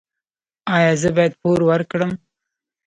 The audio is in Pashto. ایا زه باید پور ورکړم؟